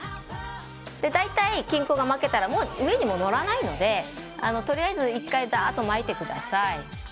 大体、金粉がまけたら上には、のらないのでとりあえず１回まいてください。